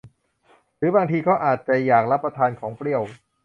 หรือบางทีก็อาจจะอยากรับประทานของเปรี้ยว